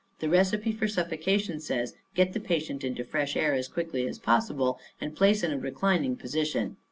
The recipe for suffocation says: 'Get the patient into fresh air as quickly as possible, and place in a reclining position.